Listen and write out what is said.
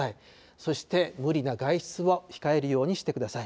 そして、無理な外出は控えるようにしてください。